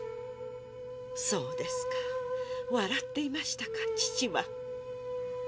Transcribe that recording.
そうですか笑っていましたか父は。